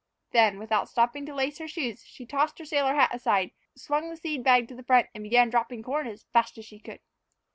Then, without stopping to lace her shoes, she tossed her sailor aside, swung the seed bag to the front, and began dropping corn as fast as she could.